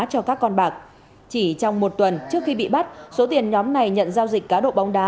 cho các con bạc chỉ trong một tuần trước khi bị bắt số tiền nhóm này nhận giao dịch cá độ bóng đá